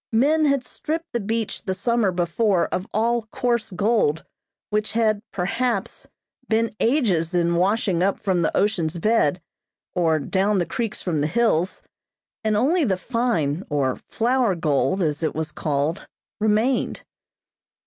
Men had stripped the beach the summer before of all coarse gold which had, perhaps, been ages in washing up from the ocean's bed, or down the creeks from the hills, and only the fine, or "flour gold," as it was called, remained.